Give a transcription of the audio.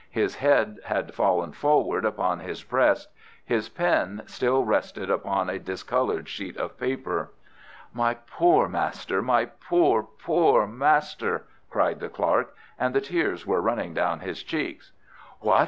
His head had fallen forward upon his breast. His pen still rested upon a discoloured sheet of paper. "My poor master! My poor, poor master!" cried the clerk, and the tears were running down his cheeks. "What!"